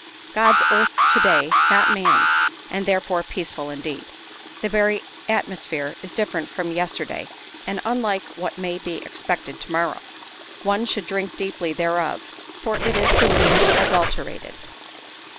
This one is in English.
God's earth to day, not man's, and therefore peaceful indeed. The very atmosphere is different from yester day and unlike what may be expected to morrow ; one should drink deeply thereof, for it is soon adulterated.